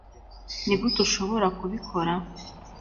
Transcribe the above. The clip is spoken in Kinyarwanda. nigute ushobora kubikora